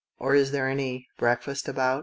or is there any breakfast about ?